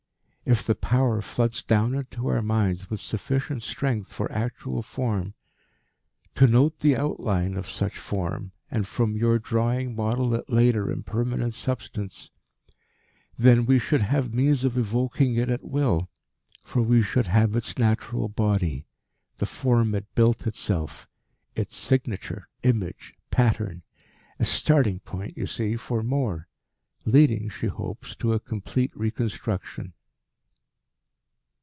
"If the Power floods down into our minds with sufficient strength for actual form, to note the outline of such form, and from your drawing model it later in permanent substance. Then we should have means of evoking it at will, for we should have its natural Body the form it built itself, its signature, image, pattern. A starting point, you see, for more leading, she hopes, to a complete reconstruction."